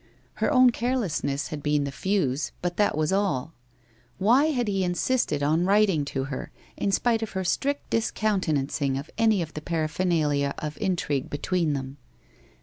Her own carelessness had been the fuse, but that was all. "Why had he insisted on writing to her, in spite of her strict discountenancing of any of the paraphernalia of intrigue between them?